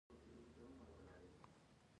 ټول سرکونه باید د دولس ټنه وزن لپاره ډیزاین شي